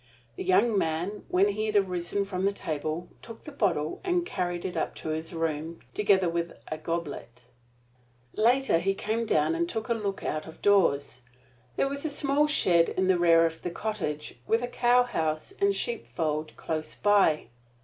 The young man, when he had arisen from the table, took the bottle and carried it up to his room, together with a goblet. Later he came down and took a look out of doors. There was a small shed in the rear of the cottage, with a cowhouse and sheepfold close by.